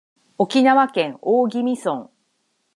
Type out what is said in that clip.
沖縄県大宜味村